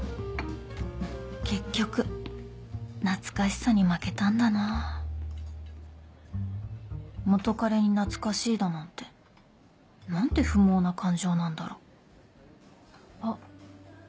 結局懐かしさに負けたんだな元カレに懐かしいだなんてなんて不毛な感情なんだろうあ